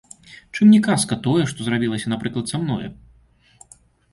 Чым не казка тое, што зрабілася, напрыклад, са мною?